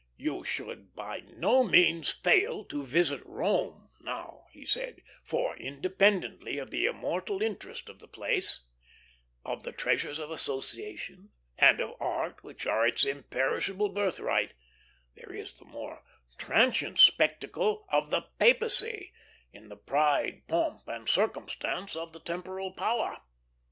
"You should by no means fail to visit Rome now," he said, "for, independently of the immortal interest of the place, of the treasures of association and of art which are its imperishable birthright, there is the more transient spectacle of the Papacy, in the pride, pomp, and circumstance of the temporal power.